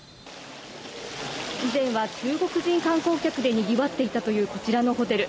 以前は中国人観光客で賑わっていたこちらのホテル。